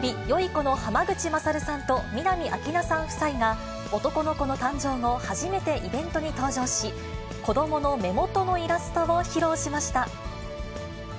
この濱口優さんと南明奈さん夫妻が男の子の誕生後、初めてイベントに登場し、子どもの目元のイラストを披露しました。